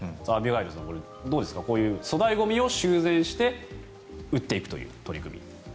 アビガイルさん、どうですか粗大ゴミを修繕して売っていくという取り組み。